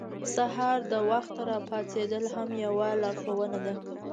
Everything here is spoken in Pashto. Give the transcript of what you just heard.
سهار د وخته راپاڅېدل هم یوه لارښوونه ده.